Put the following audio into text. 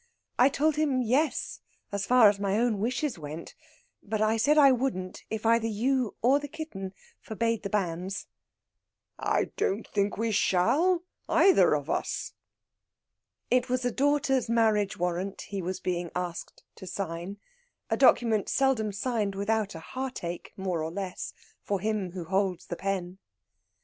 "I told him yes, as far as my own wishes went. But I said I wouldn't, if either you or the kitten forbade the banns." "I don't think we shall, either of us." It was a daughter's marriage warrant he was being asked to sign; a document seldom signed without a heartache, more or less, for him who holds the pen.